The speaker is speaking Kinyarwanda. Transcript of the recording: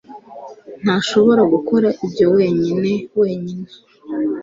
ntashobora gukora ibyo wenyine wenyine.